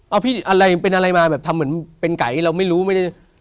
เอาพี่อะไรเป็นอะไรมาแบบทำเหมือนเป็นไก่เราไม่รู้ไม่ได้